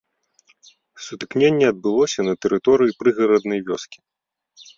Сутыкненне адбылося на тэрыторыі прыгараднай вёскі.